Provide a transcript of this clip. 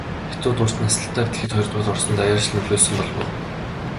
Хятадууд урт наслалтаар дэлхийд хоёрдугаарт орсонд даяаршил нөлөөлсөн болов уу?